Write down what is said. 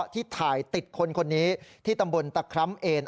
ที่ถ่ายติดคนคนนี้ที่ตำบลตะคร้ำเอน